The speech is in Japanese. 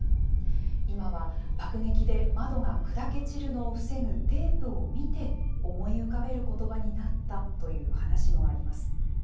今は爆撃で窓が砕け散るのを防ぐテープを見て思い浮かべる言葉になったという話もあります。